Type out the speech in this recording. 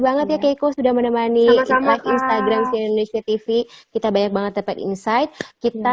banget ya keiko sudah menemani live instagram si indonesia tv kita banyak banget dapat insight kita